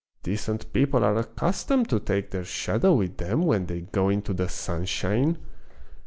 " Decent people are accustomed to take their shadow with them when they go into the sunshine."